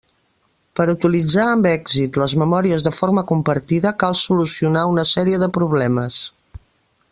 Per utilitzar amb èxit les memòries de forma compartida cal solucionar una sèrie de problemes.